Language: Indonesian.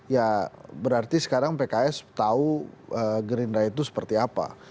ya berarti sekarang pks tahu gerindra itu seperti apa